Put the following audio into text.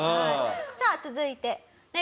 さあ続いて。